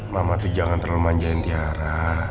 mama tuh jangan terlalu manjain tiara